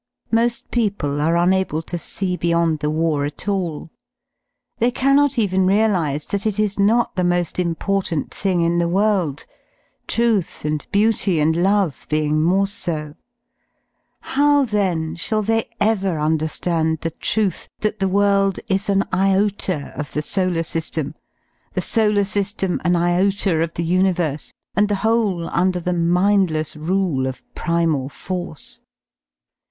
Mo^ people are unable to see beyond the war at all; they cannot even realise that it is not the mo^ important thing in the world. Truth and Beauty and Love being / more so. How then shall they ever understand the truth j)* that the world is an iota of the solar sy^em, the solar sy^em jj^ \ an iota of the universe, and the whole under the mindless ^ I I rule of Primal force?